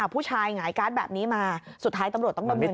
ผู้ชายหงายการ์ดแบบนี้มาสุดท้ายตำรวจต้องดำเนิน